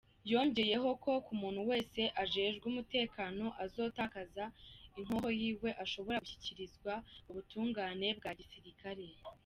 Yongeyeko k'umuntu wese ajejwe umutekano azotakaza inkoho yiwe, ashobora gushikirizwa ubutungane bwa gisirikare.